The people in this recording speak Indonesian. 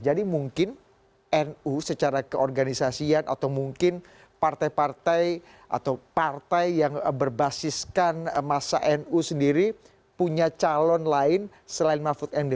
jadi mungkin nu secara keorganisasian atau mungkin partai partai atau partai yang berbasiskan masa nu sendiri punya calon lain selain mahfud md